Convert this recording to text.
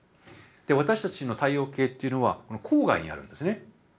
私たちの太陽系っていうのはこの郊外にあるんですね。